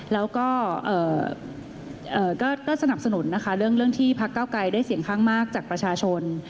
แล้วก็สนับสนุนนะคะเรื่องที่พักเก้าไกรได้เสียงข้างมากจากประชาชน